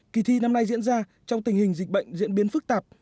kỳ thi năm nay diễn ra trong tình hình dịch bệnh diễn biến phức tạp